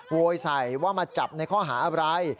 โวยใส่ว่ามาจับในข้อหาอะไร